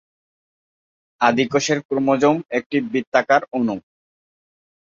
আদি কোষের ক্রোমোসোম একটি বৃত্তাকার অণু।